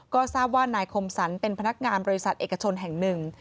ก็ทราบว่านายคมสรรเป็นพนักงานบริษัทเอกชนแห่งหนึ่ง